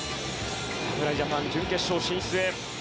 侍ジャパン準決勝進出へ。